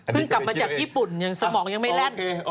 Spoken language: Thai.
เพิ่งกลับมาจากญี่ปุ่นสมองยังไม่แล่น